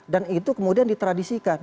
dan itu kemudian ditradisikan